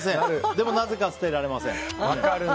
でも、なぜか捨てられません。